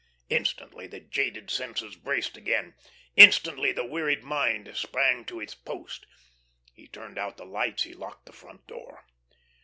Instantly the jaded senses braced again, instantly the wearied mind sprang to its post. He turned out the lights, he locked the front door.